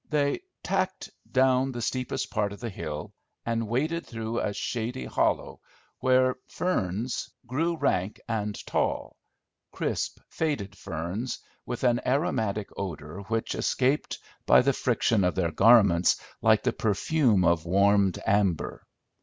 They "tacked" down the steepest part of the hill, and waded through a shady hollow, where ferns grew rank and tall, crisp, faded ferns, with an aromatic odor which escaped by the friction of their garments, like the perfume of warmed amber.